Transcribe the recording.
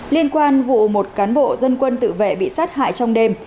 liên quan vụ một cán bộ dân quân tự vệ bị sát hại trong đêm